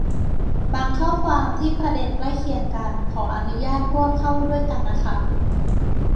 บางข้อความที่ประเด็นใกล้เคียงกันขออนุญาตรวบเข้าด้วยกันนะครับ